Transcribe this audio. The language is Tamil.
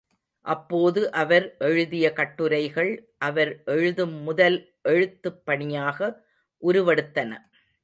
அப்போது அவர் எழுதிய கட்டுரைகள், அவர் எழுதும் முதல் எழுத்துப் பணியாக உருவெடுத்தன.